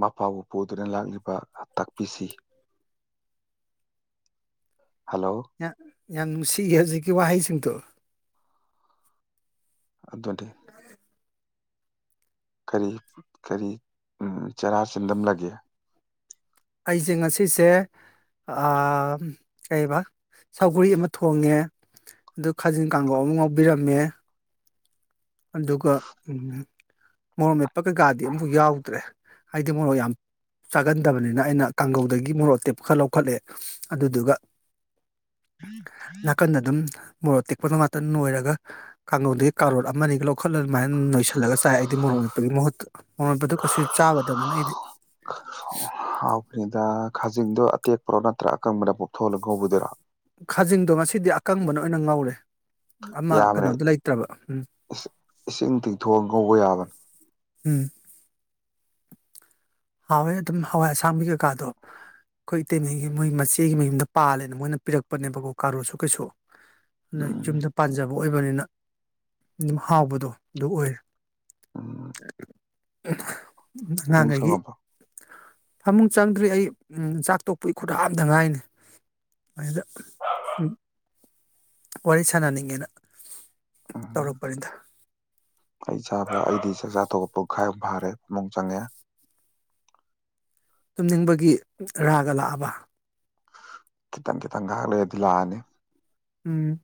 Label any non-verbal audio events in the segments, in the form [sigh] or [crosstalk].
ꯃꯄꯥꯕꯨ ꯄꯨꯗꯨꯅ ꯂꯥꯛꯂꯤꯕ ꯇꯥꯛꯄꯤꯁꯤ ꯍꯜꯂꯣ ꯌꯥꯝ ꯌꯥꯝ ꯅꯨꯡꯁꯤꯌꯦ ꯍꯧꯖꯤꯛꯀꯤ ꯋꯥꯍꯩꯁꯤꯡꯗꯣ ꯑꯗꯨꯗꯤ ꯀꯔꯤ ꯀꯔꯤ ꯎꯝ ꯆꯔꯥ ꯆꯤꯟꯗꯝꯂꯒꯦ ꯑꯩꯁꯦ ꯉꯁꯤꯁꯦ ꯑꯥ ꯀꯩꯑꯕ ꯁꯧꯒ꯭ꯔꯤ ꯑꯃ ꯊꯣꯡꯉꯦ ꯑꯗꯨ ꯈꯥꯖꯤꯡ ꯀꯥꯡꯈꯧ ꯑꯃ ꯉꯧꯕꯤꯔꯝꯃꯦ ꯑꯗꯨꯒ ꯎꯝ ꯃꯣꯔꯣꯛ ꯃꯦꯠ ꯄ ꯀꯩꯀꯥꯗꯤ ꯑꯃꯐꯧ ꯌꯥꯎꯗ꯭ꯔꯦ ꯍꯥꯏꯗꯤ ꯃꯣꯔꯣꯛ ꯌꯥꯝ ꯆꯥꯒꯟꯗꯕꯅꯤꯅ ꯑꯩꯅ ꯀꯥꯡꯒꯧꯗꯒꯤ ꯃꯣꯔꯣꯛ ꯑꯇꯦꯛꯄ ꯈꯔꯥ ꯂꯧꯈꯠꯂꯦ ꯑꯗꯨꯗꯨꯒ ꯅꯥꯀꯟꯗꯗꯨꯝ ꯃꯣꯔꯣꯛ ꯑꯇꯦꯛꯄꯗꯣ ꯉꯥꯛꯇ ꯅꯣꯏꯔꯒ ꯀꯥꯡꯉꯧꯗꯒꯤ ꯀꯥꯔꯣꯠ ꯑꯃꯅꯤꯒ ꯂꯧꯈꯠꯂ ꯑꯗꯨꯃꯥꯏꯅ ꯅꯣꯏꯁꯤꯜꯂꯒ ꯆꯥꯏ ꯑꯩꯗꯤ ꯃꯣꯔꯣꯟ ꯃꯦꯠꯄꯒꯤ ꯃꯍꯨꯠꯇ ꯃꯣꯔꯣꯛ ꯃꯦꯠꯄꯗꯨ ꯀꯩꯁꯨ ꯆꯥꯗꯕꯅꯤꯅ ꯑꯩꯗꯤ ꯍꯥꯥꯎꯈ꯭ꯔꯦꯗ ꯈꯥꯖꯤꯡꯗꯣ ꯑꯇꯦꯛꯄ꯭ꯔꯣ ꯅꯠꯇ꯭ꯔꯥ ꯑꯀꯪꯕꯗ ꯄꯣꯞꯊꯣꯛ ꯍꯜꯂꯒ ꯉꯧꯕꯗꯨꯔꯣ ꯈꯥꯖꯤꯡꯗꯣ ꯉꯁꯤꯗꯤ ꯑꯀꯪꯕꯅ ꯑꯣꯏꯅ ꯉꯧꯔꯦ ꯑꯃ ꯌꯥꯕꯔꯦ ꯀꯩꯅꯣꯗꯣ ꯂꯩꯇ꯭ꯔꯕ ꯎꯝ ꯏꯁꯤ ꯏꯁꯤꯡ ꯊꯤꯡꯊꯣꯛꯑꯒ ꯉꯧꯕ ꯌꯥꯕꯅꯤ ꯎꯝ ꯍꯥꯎꯋꯦ ꯑꯗꯨꯝ ꯍꯋꯥꯏ ꯑꯁꯥꯡꯕꯤ ꯀꯩꯀꯥꯗꯣ ꯑꯩꯈꯣꯏ ꯏꯇꯩꯃꯒꯤ ꯃꯣꯏ ꯃꯆꯦꯒꯤ ꯃꯌꯨꯝꯗ ꯄꯥꯜꯂꯦꯅ ꯃꯣꯏꯅ ꯄꯤꯔꯛꯄꯅꯦꯕꯀꯣ ꯀꯥꯔꯣꯠꯁꯨ ꯀꯩꯁꯨ ꯅꯣꯏ ꯎꯝ ꯌꯨꯝꯗ ꯄꯥꯟꯖꯕ ꯑꯣꯏꯕꯅꯤꯅ ꯑꯗꯨꯝ ꯍꯥꯎꯕꯗꯣ ꯑꯗꯨ ꯑꯣꯏꯌꯦ ꯎꯝ ꯑꯟꯑꯣꯗꯤꯕꯜ [inaudible] ꯑꯍꯝ ꯎꯝ ꯐꯃꯨꯡ ꯑꯉꯥꯡꯒꯩꯒꯤ ꯆꯪꯉꯕꯣ ꯐꯃꯨꯡ ꯆꯪꯗ꯭ꯔꯤ ꯑꯩ ꯑꯝ ꯆꯥꯛ ꯇꯣꯛꯄꯒꯤ ꯈꯨꯠ ꯍꯥꯝꯕꯗ ꯉꯥꯏꯅꯤ ꯑꯗꯨꯗ ꯁꯨꯝ ꯋꯥꯔꯤ ꯁꯥꯟꯅꯅꯤꯡꯉꯦꯅ ꯎꯝ ꯇꯧꯔꯛꯄꯅꯤꯗ ꯑꯩ ꯆꯥꯕ ꯑꯩꯗꯤ ꯆꯥꯛꯆꯥ ꯇꯣꯛꯄ ꯄꯨꯡꯈꯥꯏ ꯑꯝ ꯐꯥꯔꯦ ꯐꯃꯨꯡ ꯆꯪꯉꯦ ꯇꯨꯝꯅꯤꯡꯕꯒꯤ ꯔꯥꯒ ꯂꯥꯛꯑꯕ ꯈꯤꯇꯪ ꯈꯤꯇꯪ ꯉꯍꯥꯛ ꯂꯩꯔꯗꯤ ꯂꯥꯛꯑꯅꯤ ꯎꯝ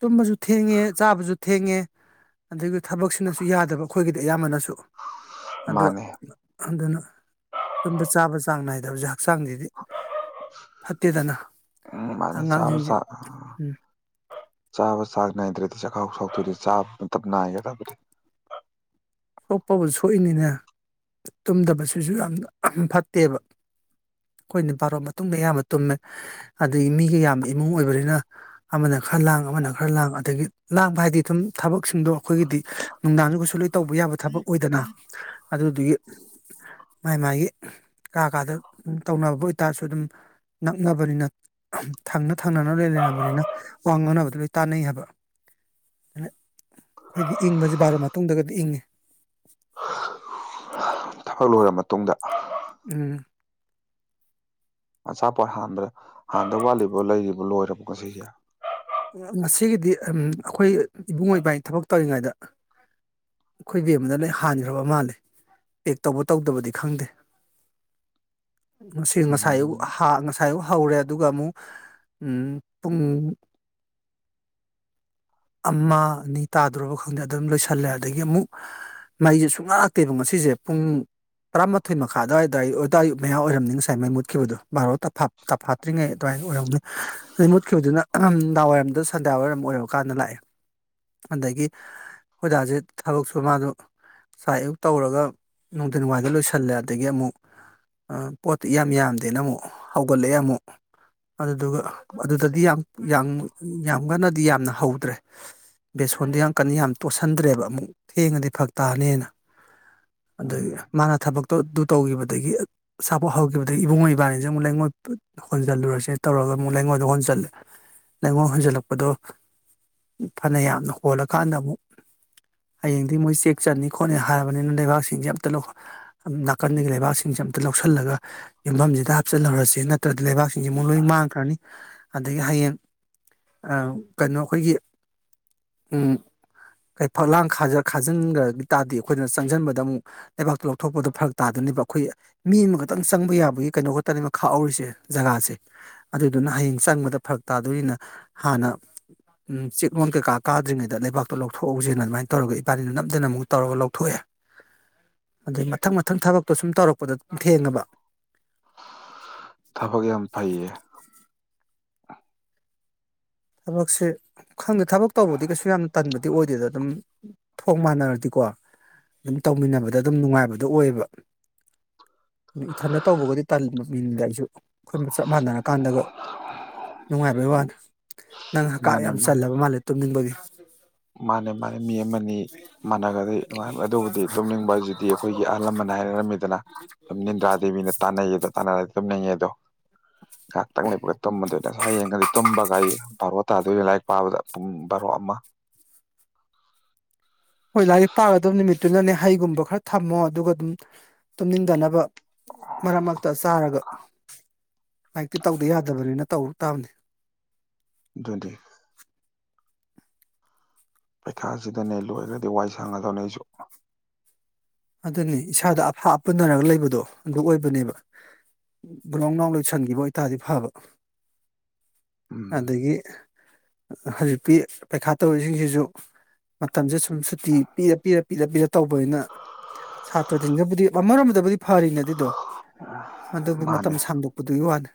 ꯇꯨꯝꯕꯁꯨ ꯊꯦꯡꯉꯦ ꯆꯥꯕꯁꯨ ꯊꯦꯡꯉꯦ ꯑꯗꯒꯤ ꯊꯕꯛꯁꯤꯅꯁꯨ ꯌꯥꯗꯕ ꯑꯩꯈꯣꯏꯒꯤꯗꯤ ꯑꯌꯥꯝꯕꯅꯁꯨ ꯑꯗꯣ ꯃꯥꯅꯦ ꯑꯗꯨꯅ ꯇꯨꯝ ꯆꯥꯕ ꯆꯥꯡ ꯅꯥꯏꯗꯦ ꯗꯕꯖꯥꯟ ꯍꯛꯆꯥꯡꯒꯤꯗꯤ ꯐꯠꯇꯦꯗꯅ ꯎꯝ ꯃꯥꯅꯦ ꯆꯥꯕ ꯑꯉꯥꯡꯁꯤꯡꯁꯤ ꯆꯥ ꯎꯝ ꯆꯥꯕ ꯆꯥꯡ ꯅꯥꯏꯗ꯭ꯔꯗꯤ ꯆꯥꯛꯈꯥꯎ ꯁꯣꯛꯇꯣꯏꯅꯤ ꯆꯥꯕ ꯃꯇꯝ ꯅꯥꯏꯒꯗꯕꯗꯤ ꯁꯣꯛꯄꯕꯨ ꯁꯣꯛꯏꯅꯤꯅꯦ ꯇꯨꯝꯗꯕꯁꯤꯁꯨ ꯌꯥꯝ ꯐꯠꯇꯦꯕ ꯑꯩꯈꯣꯏꯅ ꯕꯥꯔꯣ ꯃꯇꯨꯡꯗ ꯑꯌꯥꯝꯕ ꯇꯨꯝꯃꯦ ꯑꯗꯩ ꯃꯤꯒ ꯌꯥꯝꯕ ꯏꯃꯨꯡ ꯑꯣꯏꯕꯅꯤꯅ ꯑꯃꯅ ꯈꯔ ꯂꯥꯡ ꯑꯃꯅ ꯈꯔ ꯂꯥꯡ ꯑꯗꯒꯤ ꯂꯥꯡꯕ ꯍꯥꯏꯗꯤ ꯑꯗꯨꯝ ꯊꯕꯛꯁꯤꯡꯗꯣ ꯑꯩꯈꯣꯏꯒꯤꯗꯤ ꯅꯨꯡꯗꯥꯡꯁꯨ ꯀꯩꯁꯨ ꯂꯣꯏ ꯇꯧꯕꯤ ꯊꯕꯛ ꯑꯣꯏꯗꯅ ꯑꯗꯨꯗꯨꯒꯤ ꯃꯥꯏ ꯃꯥꯥꯏꯒꯤ ꯀꯥ ꯀꯥꯗ ꯇꯧꯅꯕ ꯑꯣꯏꯇꯥꯔꯁꯨ ꯑꯗꯨꯝ ꯅꯛꯅꯕꯅꯤꯅ ꯑꯍꯝ ꯊꯪꯅ ꯊꯪꯅꯅ ꯂꯩ ꯂꯩꯅꯕꯅꯤꯅ ꯋꯥ ꯉꯥꯡꯅꯕꯗ ꯂꯣꯏ ꯇꯥꯟꯅꯩ ꯍꯥꯏꯕ ꯑꯗꯨꯅ ꯑꯩꯈꯣꯏꯗꯤ ꯏꯪꯕꯁꯦ ꯕꯥꯔꯣ ꯃꯇꯨꯡꯗꯒꯗꯤ ꯏꯪꯉꯤ ꯍ ꯊꯕꯛ ꯂꯣꯏꯔꯕ ꯃꯇꯨꯡꯗ ꯎꯝ ꯑꯆꯥꯄꯣꯠ ꯍꯥꯟꯕꯗ ꯍꯥꯟꯗꯧ ꯋꯥꯠꯂꯤꯕꯣ ꯂꯩꯔꯤꯕꯣ ꯂꯣꯏꯔꯕꯣ ꯉꯁꯤꯒꯤ ꯉꯁꯤꯒꯤꯗꯤ ꯐꯝ ꯑꯩꯈꯣꯏ ꯏꯕꯨꯡꯉꯣ ꯏꯕꯥꯅꯤ ꯊꯕꯛ ꯇꯧꯔꯤꯉꯥꯏꯗ ꯑꯩꯈꯣꯏ ꯕꯦꯝꯃꯗ ꯂꯩ ꯍꯥꯟꯒ꯭ꯔꯕ ꯃꯥꯜꯂꯦ ꯄꯦꯛ ꯇꯧꯕ ꯇꯧꯗꯕꯗꯤ ꯈꯪꯗꯦ ꯉꯁꯤ ꯉꯁꯥꯏ ꯑꯌꯨꯛ ꯎꯝ ꯍꯥ ꯉꯁꯥꯏ ꯑꯌꯨꯛ ꯍꯧꯔꯦ ꯑꯗꯨꯒ ꯑꯃꯨꯛ ꯑꯝ ꯄꯨꯡ ꯑꯃ ꯑꯅꯤ ꯇꯥꯗ꯭ꯔꯣꯕ ꯈꯪꯗꯦ ꯑꯗꯨꯝ ꯂꯣꯏꯁꯜꯂꯦ ꯑꯗꯒꯤ ꯑꯃꯨꯛ ꯃꯩꯁꯦ ꯁꯨꯡꯂꯥꯛꯇꯦꯕ ꯉꯁꯤꯁꯦ ꯄꯨꯡ ꯇꯔꯥꯃꯥꯊꯣꯏ ꯃꯈꯥꯏ ꯑꯗꯨꯋꯥꯏꯗ ꯑꯗꯨꯋꯥꯏ ꯑꯌꯨꯛ ꯃꯌꯥ ꯑꯣꯏꯔꯝꯅꯤ ꯉꯁꯥꯏ ꯃꯩ ꯃꯨꯠꯈꯤꯕꯗꯣ ꯕꯥꯔꯣ ꯇꯥꯐꯥꯠ ꯇꯥꯐꯥꯠꯇ꯭ꯔꯤꯉꯩ ꯑꯗꯨꯋꯥꯏꯗ ꯑꯣꯏꯔꯝꯅꯤ ꯑꯗꯨꯗꯩ ꯃꯨꯠꯈꯤꯕꯗꯨꯅ ꯑꯍꯝ ꯅꯗꯥꯡꯋꯥꯏꯔꯝꯗ ꯁꯟꯗ ꯋꯥꯏꯔꯝ ꯑꯣꯏꯔꯀꯥꯟꯗ ꯂꯥꯛꯑꯦ ꯑꯗꯒꯤ ꯈꯣꯏꯖꯁꯦ ꯊꯕꯛꯁꯨ ꯃꯥꯗ ꯆꯥꯏ ꯑꯌꯨꯛ ꯇꯧꯔꯒ ꯅꯨꯡꯊꯤꯟ ꯋꯥꯋꯥꯏꯗ ꯂꯣꯏꯁꯜꯂꯦ ꯑꯗꯒꯤ ꯑꯃꯨꯛ ꯄꯣꯠꯇꯤ ꯌꯥꯝ ꯌꯥꯝꯗꯦꯅ ꯑꯃꯨꯛ ꯍꯧꯒꯠꯂꯛꯑꯦ ꯑꯃꯨꯛ ꯑꯗꯨꯗꯨꯒ ꯑꯗꯨꯗꯗꯤ ꯌꯥꯝ ꯌꯥꯝ ꯌꯥꯝ ꯀꯟꯅꯗꯤ ꯌꯥꯝꯅ ꯍꯧꯗ꯭ꯔꯦ ꯕꯦꯁꯣꯟꯗꯣ ꯌꯥꯝ ꯀꯟꯅ ꯌꯥꯝ ꯇꯣꯠꯁꯟꯗ꯭ꯔꯦꯕ ꯑꯃꯨꯛ ꯊꯦꯡꯉꯗꯤ ꯐꯛ ꯇꯥꯅꯦꯅ ꯎꯝ ꯑꯗꯒꯤ ꯃꯥꯅ ꯊꯕꯛꯇꯣ ꯑꯗꯨ ꯇꯧꯒꯤꯕꯗꯒꯤ ꯑꯠ ꯑꯆꯥꯄꯣꯠ ꯍꯧꯒꯤꯕꯗꯒꯤ ꯏꯕꯨꯡꯉꯣ ꯏꯕꯥꯅꯤꯁꯦ ꯑꯃꯨꯛ ꯂꯩꯉꯣꯏ ꯄꯨ ꯍꯣꯟꯖꯜꯂꯨꯔꯁꯦ ꯇꯧꯔꯒ ꯑꯃꯨꯛ ꯂꯩꯉꯣꯏꯗꯨ ꯍꯣꯟꯖꯜꯂꯦ ꯂꯩꯉꯣꯏ ꯍꯣꯟꯖꯜꯂꯛꯄꯗꯣ ꯐꯅ ꯌꯥꯝꯅ ꯍꯣꯜꯂꯀꯥꯟꯗ ꯑꯃꯨꯛ ꯍꯌꯦꯡꯗꯤ ꯃꯣꯏ ꯆꯦꯛ ꯆꯟꯅꯤ ꯈꯣꯠꯅꯤ ꯍꯥꯏꯔꯕꯅꯤꯅ ꯂꯩꯕꯥꯛꯁꯤ ꯁꯤꯡꯖꯤ ꯑꯝꯇ ꯂꯧ ꯅꯥꯀꯟꯒꯤ ꯂꯩꯕꯥꯛꯁꯤꯡꯁꯦ ꯑꯝꯇ ꯂꯧꯁꯜꯂꯒ ꯌꯨꯝꯐꯝꯁꯤꯗ ꯍꯥꯞꯆꯜꯍꯧꯔꯁꯤ ꯅꯠꯇ꯭ꯔꯗꯤ ꯂꯩꯕꯥꯛꯁꯤꯡꯁꯤ ꯑꯃꯨꯛ ꯂꯣꯏ ꯃꯥꯡꯈ꯭ꯔꯅꯤ ꯑꯗꯒꯤ ꯍꯌꯦꯡ ꯀꯩꯅꯣ ꯑꯩꯈꯣꯏꯒꯤ ꯀ ꯐꯛꯂꯥꯡ ꯈꯥꯖꯤꯟꯈ꯭ꯔꯒꯤ ꯇꯥꯔꯗꯤ ꯑꯩꯈꯣꯏꯅ ꯆꯪꯁꯤꯟꯕꯗ ꯑꯃꯨꯛ ꯂꯩꯕꯥꯛꯇꯣ ꯂꯧꯊꯣꯛꯄꯗ ꯐꯔꯛ ꯇꯥꯗꯣꯏꯅꯦꯕ ꯑꯩꯈꯣꯏ ꯃꯤ ꯑꯃꯈꯛꯇꯪ ꯆꯪꯕ ꯌꯥꯕꯒꯤ ꯀꯩꯅꯣ ꯈꯛꯇꯅꯦꯅ ꯈꯥꯛꯍꯧꯔꯤꯁꯦ ꯖꯒꯥꯁꯦ ꯑꯗꯨꯗꯨꯅ ꯍꯌꯦꯡ ꯆꯪꯕꯗ ꯐꯔꯛ ꯇꯥꯗꯣꯏꯅꯤꯅ ꯍꯥꯟꯅ ꯆꯤꯛꯂꯣꯟ ꯀꯩꯀꯥ ꯀꯥꯗ꯭ꯔꯤꯉꯩꯗ ꯂꯩꯕꯥꯛꯇꯣ ꯂꯧꯊꯣꯛꯍꯧꯁꯦꯅ ꯑꯗꯨꯃꯥꯏꯅ ꯇꯧꯔꯒ ꯏꯕꯥꯅꯤꯅ ꯅꯞꯗꯅ ꯑꯃꯨꯛ ꯇꯧꯔꯒ ꯂꯧꯊꯣꯛꯑꯦ ꯑꯗꯩ ꯃꯊꯪ ꯃꯊꯪ ꯊꯕꯛꯇꯣ ꯁꯨꯝ ꯇꯧꯔꯛꯄꯗ ꯑꯗꯨꯝ ꯊꯦꯡꯉꯕ ꯊꯥꯕꯛ ꯌꯥꯝ ꯐꯩꯏꯌꯦ ꯊꯕꯛꯁꯦ ꯈꯪꯗꯦ ꯊꯕꯛ ꯇꯧꯕꯗꯤ ꯀꯩꯁꯨ ꯌꯥꯝꯅ ꯇꯟꯕꯗꯤ ꯑꯣꯏꯗꯦꯗ ꯑꯗꯨꯝ ꯊꯣꯡ ꯃꯥꯟꯅꯔꯗꯤꯀꯣ ꯑꯗꯨꯝ ꯇꯧꯃꯤꯟꯅꯕꯗ ꯑꯗꯨꯝ ꯅꯨꯡꯉꯥꯏꯕꯗꯣ ꯑꯣꯏꯌꯦꯕ ꯏꯊꯟꯗ ꯇꯧꯕꯒꯗꯤ ꯇꯟ ꯃꯤꯗ ꯑꯩꯁꯨ ꯑꯩꯈꯣꯏ ꯆꯞ ꯃꯥꯟꯅꯔꯀꯥꯟꯗꯒ ꯅꯨꯡꯉꯥꯏꯕꯩ ꯋꯥꯅꯤ ꯅꯪ ꯍꯀꯥꯞ ꯃꯥꯅꯦ ꯌꯥꯝ ꯃꯥꯅꯦ ꯆꯜꯂꯕ ꯃꯥꯜꯂꯦ ꯇꯨꯝꯅꯤꯡꯕꯒꯤ ꯑ [unintelligible] ꯃꯥꯅꯦ ꯃꯥꯅꯦ ꯃꯤ ꯑꯃꯅꯤ ꯃꯥꯅꯒꯗꯤ ꯅꯨꯡꯉꯥꯏꯔꯝ ꯑꯗꯨꯕꯨꯗꯤ ꯇꯨꯝꯅꯤꯡꯕꯕꯁꯤꯗꯤ ꯑꯩꯈꯣꯏꯒꯤ ꯑꯍꯜ ꯂꯃꯟ ꯍꯥꯏꯔꯔꯝꯃꯤꯗꯅ ꯁꯨꯝ ꯟꯗ꯭ꯔꯥ ꯗꯦꯕꯤꯅ ꯇꯥꯟꯅꯩꯌꯦꯗ ꯇꯥꯟꯅꯔꯗꯤ ꯇꯨꯝꯅꯤꯡꯉꯦ ꯗꯣ ꯉꯥꯏꯍꯥꯛꯇꯪ ꯂꯩꯕꯒ ꯇꯨꯝꯃꯗꯣꯏꯅꯦ ꯍꯌꯦꯡꯒꯗꯤ ꯇꯨꯝꯕꯒꯥꯏꯌ‌ꯦ ꯕꯥꯔꯣ ꯇꯥꯗꯣꯏꯅꯦ ꯂꯥꯏꯔꯤꯛ ꯄꯥꯕꯗ ꯄꯨꯡ ꯕꯥꯔꯣ ꯑꯃ [inaudible] ꯍꯣꯏ ꯂꯥꯏꯔꯤꯛ ꯄꯥꯒꯗꯕ ꯅꯨꯃꯤꯠꯇꯨꯅꯅꯦ ꯍꯩꯒꯨꯝꯕ ꯈꯔ ꯊꯝꯃꯣ ꯑꯗꯨꯒ ꯑꯗꯨꯝ ꯇꯨꯝꯅꯤꯡꯟꯗꯅꯕ ꯃꯔꯛ ꯃꯔꯛ ꯇ ꯑꯁ ꯆꯥꯔꯒ ꯂꯥꯏꯛꯇꯤ ꯇꯧꯗ ꯌꯥꯗꯕꯅꯤꯅ ꯇꯧꯕ ꯇꯥꯕꯅꯤ ꯭ꯋꯦꯟꯇꯤ [unintelligible] ꯄꯩꯈꯥꯁꯤꯗꯅꯦ ꯂꯣꯏꯈ꯭ꯔꯗꯤ ꯋꯥꯏ ꯁꯥꯡꯒꯗꯧꯅꯦ ꯑꯩꯁꯨ ꯑꯗꯨꯅꯤ ꯏꯁꯥꯗ ꯑꯐꯥ ꯑꯞꯄꯟꯅꯔꯒ ꯂꯩꯕꯗꯣ ꯑꯗꯨ ꯑꯣꯏꯕꯅꯦꯕ ꯒꯂꯎ ꯅꯥꯎ ꯂꯣꯏꯁꯟꯈꯤꯕ ꯑꯣꯏꯇꯥꯔꯗꯤ ꯐꯕ ꯎꯝ ꯑꯗꯒꯤ ꯍꯧꯖꯤꯛꯇꯤ ꯄꯩꯈꯥ ꯇꯧꯔꯤꯁꯤꯡꯁꯤꯁꯨ ꯃꯇꯝꯁꯦ ꯁꯨꯝ ꯁꯨꯇꯤ ꯄꯤꯔ ꯄꯤꯔ ꯄꯤꯔ ꯄꯤꯔ ꯇꯧꯕꯅꯤꯅ ꯁꯥꯇ꯭ꯔꯁꯤꯡꯗꯕꯨꯗꯤ ꯑꯃꯔꯣꯝꯗꯕꯨꯗꯤ ꯐꯔꯤꯅꯦ ꯑꯗꯨꯗꯣ ꯑꯗꯨꯕꯨ ꯃꯇꯝ ꯃꯥꯅꯦ ꯁꯥꯡꯗꯣꯛꯄꯗꯨꯒꯤ ꯋꯥꯅꯤ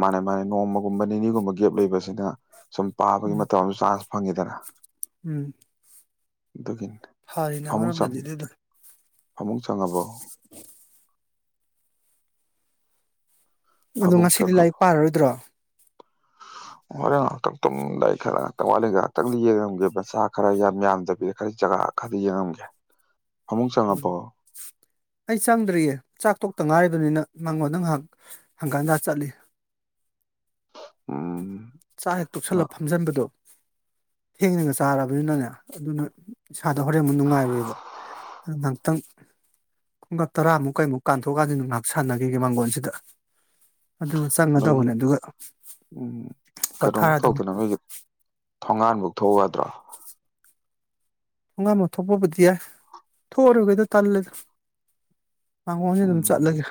ꯃꯥꯅꯦ ꯃꯥꯅꯦ ꯅꯣꯡꯃꯒꯨꯝꯕ ꯅꯤꯅꯤꯒꯨꯝꯕ ꯒꯦꯞ ꯂꯩꯕꯁꯤꯅ ꯁꯨꯝ ꯄꯥꯕꯒꯤ ꯎꯝ ꯃꯇꯝ ꯑꯃ ꯆꯥꯟꯁ ꯐꯪꯉꯦꯗꯅꯥ ꯎꯝ ꯗꯈꯤꯅ ꯐꯔꯤꯅꯦ ꯐꯨꯃꯨꯡ ꯆꯪ ꯑꯃꯔꯣꯝꯗꯗꯤ ꯑꯗꯨꯗꯣ ꯐꯪꯃꯨꯡ ꯆꯪꯑꯕꯣ ꯑꯗꯣ ꯉꯁꯤꯗꯤ ꯂꯥꯏꯔꯤꯛ ꯄꯥꯔꯔꯣꯏꯗ꯭ꯔꯣ ꯍꫭꯔ‌ꯦꯟ ꯉꯥꯏꯍꯥꯛꯇꯪ ꯇꯨꯝꯃꯝ ꯗꯥꯏ ꯈꯔꯥ ꯉꯛꯇꯪꯋꯠꯂꯤ ꯉꯥꯛꯇꯪꯗꯤ ꯌꯦꯡꯉꯝꯒꯦ ꯃꯁꯆꯥ ꯈꯔ ꯌꯥꯝ ꯌꯥꯝꯗꯕꯤꯗ ꯈꯔ ꯖꯒꯥ ꯈꯔꯗꯤ ꯌꯦꯡꯉꯝꯒꯦ ꯐꯃꯨꯡ ꯎꯝ ꯆꯪꯉꯕꯣ ꯑꯩ ꯆꯪꯗ꯭ꯔꯤꯌꯦ ꯆꯥꯛꯊꯣꯛꯇ ꯉꯥꯏꯔꯤꯕ ꯑꯗꯨꯅꯤꯅ ꯃꯉꯣꯟꯗ ꯉꯥꯏꯍꯥꯛ ꯍꯪꯀꯥꯟꯗ ꯆꯠꯂꯤ ꯑꯥ ꯆꯥꯛ ꯍꯦꯛ ꯇꯣꯛꯁꯜꯂ ꯐꯝꯖꯟꯕꯗꯣ ꯊꯦꯡꯅꯒ ꯆꯥꯔꯕꯅꯤꯅꯅꯦ ꯑꯗꯨꯅ ꯏꯁꯥꯗ ꯍꯣꯔꯦꯃꯨꯛ ꯅꯨꯡꯉꯥꯏꯔꯣꯏꯕ ꯉꯥꯏꯍꯥꯛꯇꯪ ꯈꯨꯡꯀ ꯇꯔꯥꯃꯨꯛ ꯀꯩꯃꯨꯛ ꯀꯥꯟꯊꯣꯛꯀꯥꯟꯁꯤꯗ ꯉꯥꯏꯍꯥꯛ ꯁꯥꯟꯅꯈꯤꯒꯦ ꯃꯥꯡꯒꯣꯟꯁꯤꯗ ꯑꯗꯨ ꯅꯣꯏꯒꯤ ꯆꯪꯒꯗꯧꯕꯅꯦ ꯑꯗꯨꯒ ꯀꯩꯅꯣꯝꯨꯛ ꯄꯣꯊꯥꯔꯗꯧ ꯇꯧꯗꯅ ꯂꯩꯣꯏꯒꯤ ꯊꯣꯡꯒꯥꯟꯕꯨꯛ ꯊꯣꯛꯎꯨ ꯌꯗ꯭ꯔꫭ ꯊꯣꯡꯒꯥꯝ ꯑꯃ ꯊꯣꯛꯄꯕꯨꯗꯤ ꯌꯥꯏ ꯊꯣꯛꯑꯔꯨꯒꯩꯗꯣ ꯇꯜꯂꯦꯗ ꯃꯥꯡꯒꯣꯟꯁꯤꯗꯥ ꯑꯗꯨꯝ ꯎꯝ ꯆꯠꯂꯒꯦ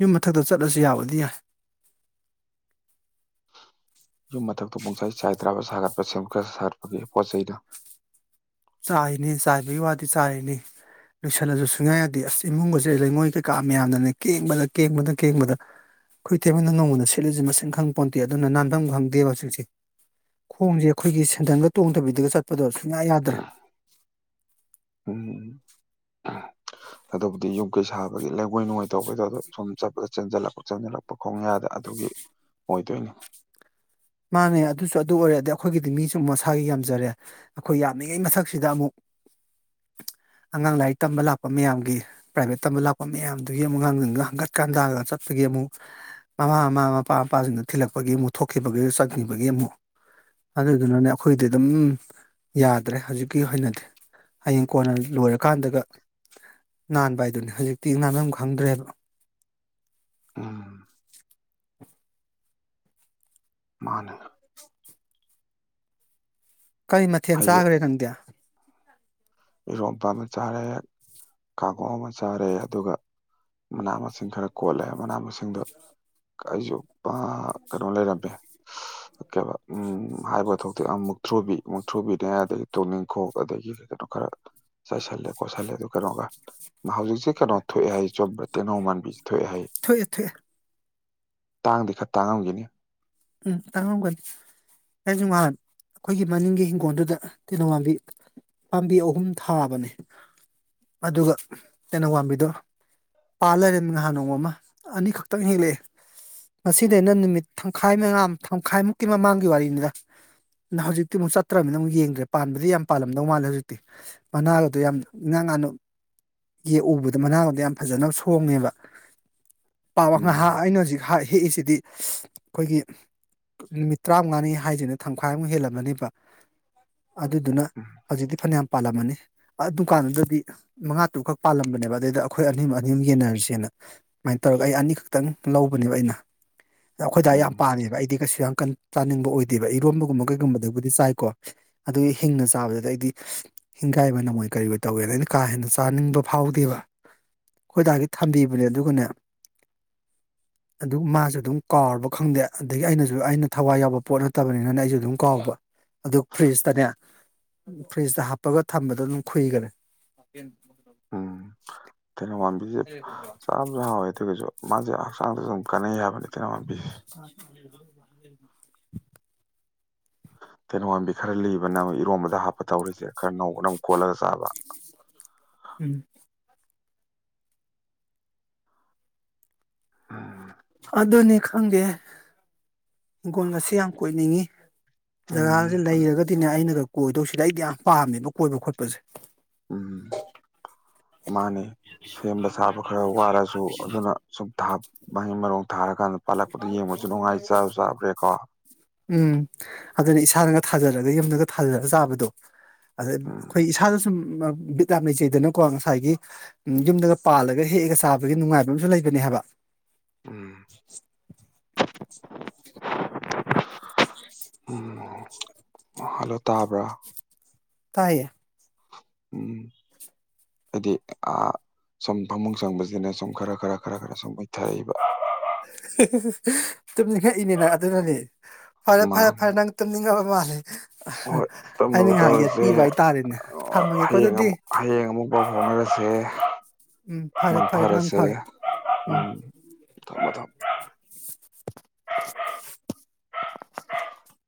ꯌꯨꯝ ꯃꯊꯛꯇ ꯆꯠꯂꯁꯨ ꯌꯥꯕꯗꯤ ꯌꯥꯏ ꯌꯨꯝ ꯃꯊꯛꯇ ꯄꯨꯡꯆꯥꯏ ꯆꯥꯏ ꯇ꯭ꯔꯥꯕ ꯁꯥꯒꯠꯄ ꯁꯦꯝꯠ ꯈꯔ ꯁꯥꯒꯠꯄꯒꯤ ꯄꯣꯠ ꯆꯩꯩꯅ ꯆꯥꯏꯔꯤꯅꯤ ꯆꯥꯏꯕꯒꯤ ꯋꯥꯗꯤ ꯆꯥꯏꯔꯤꯅꯤ ꯂꯣꯏꯁꯜꯂꯁꯨ ꯁꯨꯡꯌꯥ ꯌꯥꯗꯦ ꯑꯁ ꯏꯃꯨꯡꯒꯁꯦ ꯂꯩꯉꯣꯏ ꯀꯩꯀꯥ ꯃꯌꯥꯝꯅꯅꯦ ꯀꯦꯡꯕꯗ ꯀꯦꯡꯕꯗ ꯀꯦꯡꯕꯗ ꯑꯩꯈꯣꯏ ꯇꯩꯃꯥꯅ ꯅꯣꯡꯃꯗ ꯁꯤꯠꯂꯤꯁꯦ ꯃꯁꯤꯡ ꯈꯪꯄꯣꯟꯇꯦ ꯑꯗꯨꯅ ꯅꯥꯟꯐꯝ ꯈꯪꯗꯦꯕ ꯍꯧꯖꯤꯛꯁꯦ ꯈꯣꯡꯁꯦ ꯑꯩꯈꯣꯏꯒꯤ ꯁꯦꯟꯗꯟꯒ ꯇꯣꯡꯗꯕꯤꯗꯒ ꯆꯠꯄꯗꯣ ꯌꯥ ꯌꯥꯗ꯭ꯔꯦ ꯎꯝ ꯑꯗꯨꯕꯨꯗꯤ ꯌꯨꯝ ꯀꯩ ꯁꯥꯕꯒꯤ ꯂꯩꯉꯣꯏ ꯅꯨꯡꯉꯣꯏ ꯇꯧꯕꯗꯣ ꯑꯗꯣ ꯁꯨꯝ ꯆꯠꯄꯒ ꯆꯦꯟꯖꯜꯂꯛꯄꯥ ꯆꯦꯟꯖꯜꯂꯛꯄ ꯈꯣꯡꯌꯥꯗ ꯑꯗꯨꯒꯤ ꯑꯣꯏꯗꯣꯏꯅꯤ ꯃꯥꯅꯦ ꯑꯗꯨꯁꯨ ꯑꯗꯨ ꯑꯣꯏꯔꯦ ꯑꯗꯩ ꯑꯩꯈꯣꯏꯒꯤꯗꯤ ꯃꯤꯁꯨ ꯑꯃꯨꯛ ꯃꯁꯥꯒꯤ ꯌꯥꯝꯖꯔꯦ ꯑꯩꯈꯣꯏ ꯌꯥꯝꯃꯤꯉꯩ ꯃꯊꯛꯁꯤꯗ ꯑꯃꯨꯛ ꯑꯉꯥꯡ ꯂꯥꯏꯔꯤꯛ ꯇꯝꯕ ꯂꯥꯛꯄ ꯃꯌꯥꯝꯒꯤ ꯄ꯭ꯔꯥꯏꯚꯦꯠ ꯇꯝꯕ ꯂꯥꯛꯄ ꯃꯌꯥꯝꯗꯨꯒꯤ ꯑꯃꯨꯛ ꯑꯉꯥꯡꯒ ꯍꯪꯒꯠꯀꯥ ꯍꯥꯟꯗꯥꯒ ꯆꯠꯄꯒꯤ ꯑꯃꯨꯛ ꯃꯃꯥ ꯃꯃꯥ ꯃꯄꯥ ꯃꯄꯥꯁꯤꯡꯗ ꯊꯤꯜꯂꯛꯄꯒꯤ ꯑꯃꯨꯛ ꯊꯣꯛꯈꯤꯕ ꯆꯠꯅꯤꯡꯕꯒꯤ ꯑꯃꯨꯛ ꯑꯗꯨꯗꯨꯅꯅꯦ ꯑꯩꯈꯣꯏꯗꯤ ꯑꯗꯨꯝ ꯌꯥꯗ꯭ꯔꯦ ꯍꯧꯖꯤꯛꯀꯤ ꯑꯣꯏꯅꯗꯤ ꯍꯌꯦꯡ ꯀꯣꯟꯅ ꯂꯣꯏꯔꯀꯥꯟꯗꯒ ꯅꯥꯟꯕ ꯍꯥꯏꯗꯨꯅꯦ ꯍꯧꯖꯤꯛꯇꯤ ꯅꯥꯟꯕꯝ ꯈꯪꯗ꯭ꯔꯦꯕ ꯎꯝ ꯃꯥꯅꯦꯂ ꯀꯔꯤ ꯃꯊꯦꯜ ꯍꯌꯦꯡ ꯆꯥꯈ꯭ꯔꯦ ꯅꯪꯗꯤ ꯏꯔꯣꯝꯄꯥ ꯑꯃ ꯆꯥꯔꯦ ꯈꯥꯒꯣ ꯑꯃ ꯆꯥꯔꯦ ꯑꯗꯨꯒ ꯃꯅꯥ ꯃꯁꯤꯡ ꯈꯔ ꯀꯣꯜꯂꯦ ꯃꯅꯥ ꯃꯁꯤꯡꯗꯣ ꯑꯩꯁꯨ ꯀꯩꯅꯣ ꯂꯩꯔꯝꯃꯦ ꯀꯩꯕ ꯎꯝ ꯍꯥꯏꯕꯒꯥ ꯊꯣꯛꯇꯦ ꯃꯨꯛꯊ꯭ꯔꯨꯕꯤ ꯃꯨꯛꯊ꯭ꯔꯨꯕꯤꯅꯦ ꯑꯗꯒꯤ ꯇꯣꯛꯅꯤꯡꯈꯣꯛ ꯑꯗꯒꯤ ꯀꯩꯅꯣ ꯈꯔ ꯆꯥꯏꯁꯜꯂꯦ ꯈꯣꯠꯁꯜꯂꯦ ꯑꯗꯨ ꯀꯩꯅꯣꯒ ꯍꯧꯖꯤꯛꯁꯦ ꯀꯩꯅꯣ ꯊꯣꯛꯑꯦ ꯍꯥꯏ ꯆꯨꯝꯕꯔꯥ ꯇꯦꯡꯅꯧ ꯃꯥꯟꯕꯤꯁꯤ ꯊꯣꯛꯑꯦ ꯊꯣꯛꯑꯦ ꯇꯥꯡꯗꯤ ꯈꯔ ꯇꯥꯡꯉꯝꯈꯤꯅꯤ ꯎꯝ ꯇꯪꯉꯝꯒꯅꯤ ꯑꯩꯁꯨ ꯉꯍꯥꯟ ꯑꯩꯈꯣꯏꯒꯤ ꯃꯅꯤꯡꯒꯤ ꯏꯪꯒꯣꯜꯗꯨꯗ ꯇꯦꯅꯧꯋꯥꯝꯕꯤ ꯄꯥꯝꯕꯤ ꯑꯍꯨꯝ ꯊꯥꯕꯅꯦ ꯑꯗꯨꯒ ꯇꯦꯅꯧ ꯄꯝꯕꯤꯗꯣ ꯄꯥꯜ ꯂꯩꯔꯅꯤ ꯉꯍꯥꯟ ꯅꯣꯡꯃ ꯑꯃ ꯑꯅꯤꯈꯛꯇꯪ ꯍꯦꯛꯂꯛꯑꯦ ꯃꯁꯤꯗ ꯑꯩꯅ ꯅꯨꯃꯤꯠ ꯈꯥꯏꯅ ꯉꯥ ꯊꯃꯥꯈꯥꯏꯃꯨꯛꯀꯤ ꯃꯃꯥꯡꯒꯤ ꯋꯥꯔꯤꯅꯤꯗ ꯍꯧꯖꯤꯛꯇꯤ ꯑꯃꯨꯛ ꯆꯠꯇ꯭ꯔꯅꯤꯅ ꯑꯃꯨꯛ ꯌꯦꯡꯗ꯭ꯔꯦ ꯄꯥꯟꯕꯗꯤ ꯌꯥꯝ ꯄꯥꯜꯂꯝꯗꯧ ꯃꯥꯜꯂꯦ ꯍꯧꯖꯤꯛꯇꯤ ꯃꯅꯥꯒꯗꯣ ꯌꯥꯝ ꯏꯉꯥꯡ ꯉꯟꯅꯥ ꯌꯦꯛꯎꯕꯗ ꯃꯅꯥꯒꯗꯣ ꯌꯥꯝ ꯐꯖꯅ ꯁꯣꯡꯉꯦꯕ [unintelligible] ꯎꯝ ꯍꯧꯖꯤꯛ ꯍꯥꯏ ꯍꯦꯛꯏꯁꯤꯗꯤ ꯑꯩꯈꯣꯏꯒꯤ ꯅꯨꯃꯤꯠ ꯇꯔꯥꯃꯉꯥꯅꯤ ꯍꯥꯏꯗꯣꯏꯅꯤ ꯊꯝꯈꯥꯏꯃꯨꯛ ꯍꯦꯜꯂꯝꯃꯅꯦꯕ ꯑꯗꯨꯗꯨꯅ ꯎꯝ ꯍꯧꯖꯤꯛꯇꯤ ꯐꯅꯌꯥꯝ ꯄꯥꯜꯂꯝꯃꯅꯤ ꯗꯨꯀꯥꯟꯗꯨꯗꯗꯤ ꯃꯉꯥ ꯇꯔꯨꯛꯈꯛ ꯄꯥꯜꯂꯝꯕꯅꯦꯕ ꯑꯗꯨꯗꯩꯗ ꯑꯩꯈꯣꯏ ꯑꯅꯤ ꯑꯅꯤꯝ ꯌꯦꯟꯅꯔꯤꯁꯦꯅ ꯁꯨꯃꯥꯏꯅ ꯇꯧꯔꯒ ꯑꯩ ꯑꯅꯤꯈꯛꯇꯪ ꯂꯧꯕꯅꯦꯕ ꯑꯩꯅ ꯑꯩꯈꯣꯏꯗ ꯌꯥꯝ ꯎꯝ ꯄꯥꯝꯃꯦꯕ ꯑꯩꯗꯤ ꯀꯩꯁꯨ ꯌꯥꯝ ꯆꯥꯅꯤꯡꯕ ꯑꯣꯏꯗꯦꯕ ꯏꯔꯣꯝꯕꯒꯨꯝꯕ ꯀꯩꯒꯨꯝꯕꯗꯕꯨꯗꯤ ꯆꯥꯏꯀꯣ ꯑꯗꯨꯒꯤ ꯍꯤꯡꯅ ꯆꯥꯕꯗꯨꯗ ꯑꯩꯗꯤ ꯍꯤꯡꯒꯥꯏ ꯅꯃꯣꯏ ꯀꯔꯤꯑꯣꯏ ꯇꯧꯋꯦꯅ ꯑꯩꯅ ꯀꯥ ꯍꯦꯟꯅ ꯆꯥꯅꯤꯡꯕ ꯐꯥꯎꯗꯦꯕ ꯈꯣꯏꯗꯒꯤ ꯊꯝꯕꯤꯕꯅꯦ ꯑꯗꯨꯒꯅꯦ ꯑꯗꯨ ꯃꯥꯁꯨ ꯑꯗꯨꯝ ꯀꯥꯎꯔꯕ ꯈꯪꯗꯦ ꯑꯗꯒꯤ ꯑꯩꯅꯁꯨ ꯑꯩꯅ ꯊꯋꯥꯏ ꯌꯥꯎꯕ ꯄꯣꯠ ꯅꯠꯇꯕꯅꯤꯅꯅꯦ ꯑꯩꯁꯨ ꯑꯗꯨꯝ ꯀꯥꯎꯕ ꯑꯗꯨ ꯐ꯭ꯔꯤꯖꯇꯅꯦ ꯐ꯭ꯔꯤꯖꯇ ꯍꯥꯞꯄꯒ ꯊꯝꯕꯗꯣ ꯑꯗꯨꯝ ꯈꯨꯨꯏꯒꯔꯦ ꯎꯝ [unintelligible] [unintelligible] ꯆꯥꯕꯗ ꯍꯥꯎꯏ ꯃꯥꯁꯦ ꯍꯛꯆꯥꯡꯗꯁꯨ ꯀꯥꯟꯅꯩ ꯍꯥꯏꯕꯅꯦ [inaudible] [unintelligible] ꯇꯦꯅꯣꯋꯥꯝꯕꯤ ꯈꯔ ꯂꯤꯕꯅ ꯏꯔꯣꯝꯕꯗ ꯍꯥꯞꯄ ꯇꯧꯔꯤꯁꯦ ꯈꯔ ꯅꯧ ꯅꯪ ꯈꯣꯠꯂꯒ ꯆꯥꯕ ꯎꯝ ꯎꯝ ꯑꯗꯨꯅꯤ ꯈꯪꯗꯦ ꯍꯤꯡꯒꯣꯟꯜ ꯉ ꯑꯁꯤ ꯌꯥꯝ ꯀꯣꯏꯅꯤꯡꯉꯤ ꯖꯒꯥꯁꯤ ꯎꯝ ꯂꯩꯔꯒꯗꯤꯅꯦ ꯑꯩꯅ ꯀꯛ ꯀꯣꯏꯗꯧꯁꯤꯗ ꯑꯩꯗꯤ ꯌꯥꯝ ꯄꯥꯝꯃꯦꯕ ꯀꯣꯏꯕ ꯈꯣꯠꯄꯁꯦ ꯎꯝ ꯃꯥꯅꯤ ꯁꯦꯝꯕ ꯁꯥꯕ ꯈꯔ ꯋꯥꯔꯁꯨ ꯑꯗꯨꯅ ꯁꯨꯝ ꯊ ꯃꯍꯩ ꯃꯔꯣꯡ ꯊꯥꯔꯛ ꯀꯥꯟꯗ ꯄꯥꯜꯂꯛꯄꯗ ꯌꯦꯡꯕꯁꯨ ꯅꯨꯡꯉꯥꯏ ꯆꯥꯕ ꯆꯥꯕ꯭ꯔꯦ ꯀꯣ ꯎꯝ ꯑꯗꯨꯅ ꯏꯁꯥꯅꯒ ꯊꯥꯖꯔꯒ ꯌꯨꯝꯗꯒ ꯊꯥꯖꯔꯒ ꯆꯥꯕꯗꯣ ꯑꯗꯩ ꯎꯝ ꯑꯩꯈꯣꯏ ꯏꯁꯥꯗ ꯁꯨꯝ ꯕꯤꯠ ꯌꯥꯝ ꯂꯩꯖꯩꯗꯅꯀꯣ ꯉꯁꯥꯏꯒꯤ ꯌꯨꯝꯗꯒ ꯄꯥꯜꯂꯒ ꯍꯦꯛꯑꯒ ꯆꯥꯕꯒꯤ ꯅꯨꯡꯉꯥꯏꯕ ꯑꯃꯁꯨ ꯂꯩꯕꯅꯦ ꯍꯥꯏꯕ ꯎꯝ ꯎꯝ ꯍꯜꯂꯣ ꯇꯥꯕ꯭ꯔꯥ ꯇꯥꯏꯌꯦ ꯎꯝ ꯍꯥꯏꯗꯤ ꯁꯨꯝ ꯐꯃꯨꯡ ꯆꯪꯕꯁꯤꯅ ꯁꯨꯝ ꯈꯔ ꯈꯔ ꯈꯔ ꯈꯔ ꯁꯨꯝ ꯃꯨꯏꯊꯔꯛꯏꯕ ꯇꯨꯝꯅꯤꯡꯉꯛꯏꯅꯤꯅ ꯑꯗꯨꯅꯅꯦ ꯐꯔꯦ ꯐꯔꯦ ꯃꯥꯅꯦ ꯐꯔꯦ ꯅꯪ ꯇꯨꯝꯅꯤꯡꯉꯕ ꯃꯥꯜꯂꯦ [unintelligible] ꯍꯣꯏ ꯑꯩꯅ ꯇꯨꯝꯅꯕ ꯉꯥꯏꯍꯥꯛ ꯇꯧꯔꯁꯦ ꯌꯦꯠꯄꯤꯕ ꯍꯥꯏꯇꯥꯔꯦꯅꯦ ꯊꯝꯃꯒꯦꯀꯣ ꯍꯌꯦꯡ ꯑꯗꯨꯗꯤ ꯑꯃꯨꯛ ꯍꯌꯦꯡ ꯑꯃꯨꯛ ꯄꯥꯎ ꯐꯥꯎꯅꯔꯁꯦ ꯎꯝ ꯐꯔꯦ ꯃꯪ ꯐꯔꯦ ꯅꯪ ꯐꯔꯁꯦ ꯐꯔꯣ ꯎꯝ ꯊꯝꯃꯣ ꯊꯝꯃꯣ [unintelligible]